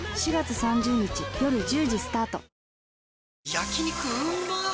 焼肉うまっ